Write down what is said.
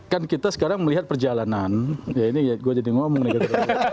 kan kita sekarang melihat perjalanan ya ini gue jadi ngomong nih gitu